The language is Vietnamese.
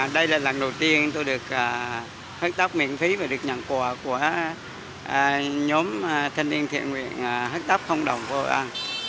đây là lần đầu tiên tôi được hức tóc miễn phí và được nhận quà của nhóm thân niên thiện nguyện hức tóc không đồng của hội an